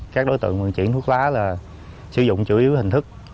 các đối tượng vận chuyển thuốc lá là sử dụng chủ yếu hình thức